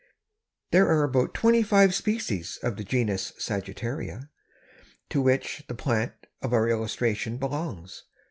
There are about twenty five species of the genus Sagittaria, to which the plant of our illustration belongs.